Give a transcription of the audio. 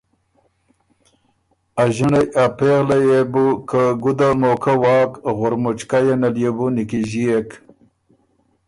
ا ݫِنړئ ا پېغلئ يې بو که ګُده موقع واک غُرمُچکئ یه نل يې بو نیکیݫيېک